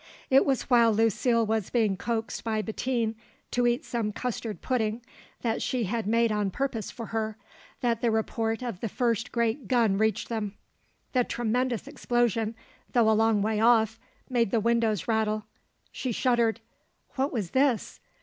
It was while Lucile was being coaxed by Bettine to eat some custard pudding that she had made on purpose for her, that the report of the first great gun reached them. The tremendous explosion, though a long way off, made the windows rattle. She shuddered. What was this?